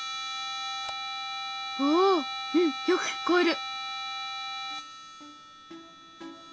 おおうんよく聞こえる！